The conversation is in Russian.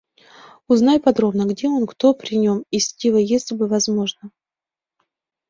Узнай подробно, где он, кто при нем. И Стива... если бы возможно!